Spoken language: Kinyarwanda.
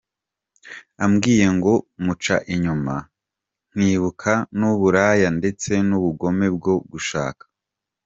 ambwiye ngo muca inyuma nkibuka n’uburaya ndetse n’ubugome bwo gushaka.